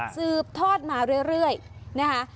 สืบทอดมาเรื่อยนะคะ